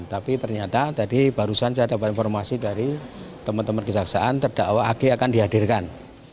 tapi ternyata tadi barusan saya dapat informasi dari teman teman kejaksaan terdakwa ag akan dihadirkan